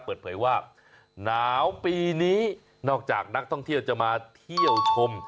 เปิดเผยว่าหนาวปีนี้นอกจากนักท่องเที่ยวจะมาเที่ยวชม